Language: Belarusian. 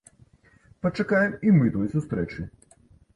Пачакаем і мы той сустрэчы.